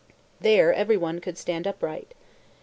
There every one could stand upright.